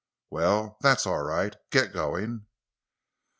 Well, that's all right. Get going!"